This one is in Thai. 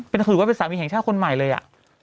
เป็นคือว่าเป็นสามีแห่งชาติคนใหม่เลย